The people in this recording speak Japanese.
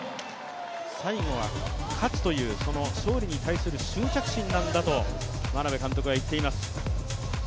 最後は勝つという、勝利に対する執着心なんだと眞鍋監督は言っています。